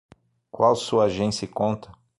Qual sua agência e conta?